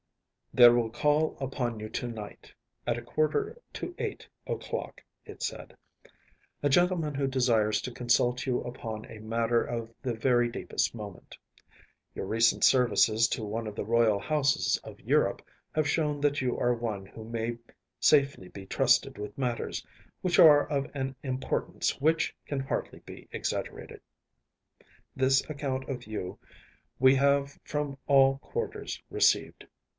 “There will call upon you to night, at a quarter to eight o‚Äôclock,‚ÄĚ it said, “a gentleman who desires to consult you upon a matter of the very deepest moment. Your recent services to one of the royal houses of Europe have shown that you are one who may safely be trusted with matters which are of an importance which can hardly be exaggerated. This account of you we have from all quarters received.